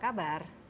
halo mbak desi